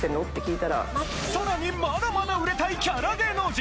さらにまだまだ売れたいキャラ芸能人